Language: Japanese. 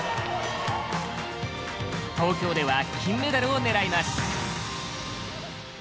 東京では金メダルを狙います。